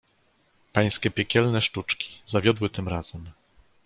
"Pańskie piekielne sztuczki zawiodły tym razem."